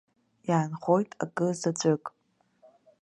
Иаанхоит акы заҵәык.